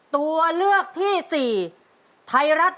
ตัวเลือกที่๔ครับ